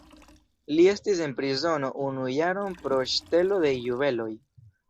Li estis en prizono unu jaron pro ŝtelo de juveloj.